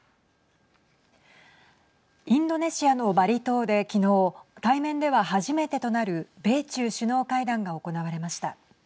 インドネシアのバリ島で、昨日対面では初めてとなる米中首脳会談が行われました。